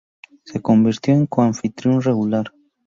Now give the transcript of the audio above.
Se convirtió en co-anfitrión regular.